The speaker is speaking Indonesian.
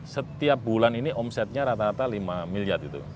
setiap bulan ini omsetnya rata rata lima miliar itu